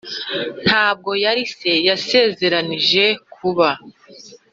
ntabwo yari se yasezeranije kuba.